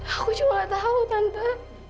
aku juga gak tahu tante